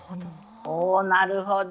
なるほど。